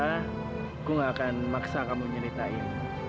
aku gak akan maksa kamu ceritain